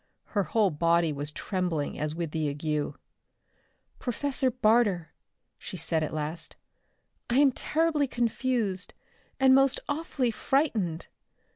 Her whole body was trembling as with the ague. "Professor Barter," she said at last. "I am terribly confused, and most awfully frightened.